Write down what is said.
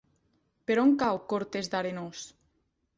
Per on cau Cortes d'Arenós?